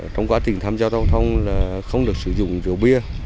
trong quá trình tham gia giao thông là không được sử dụng rượu bia